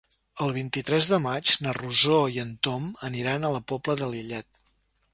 El vint-i-tres de maig na Rosó i en Tom aniran a la Pobla de Lillet.